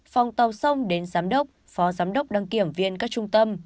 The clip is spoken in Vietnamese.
phòng tàu sông đến giám đốc phó giám đốc đăng kiểm viên các trung tâm